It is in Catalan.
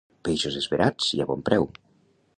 Peixos esverats i a bon preu.